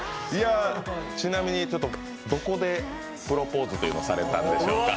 ちなみに、どこでプロポーズというのをされたんでしょうか？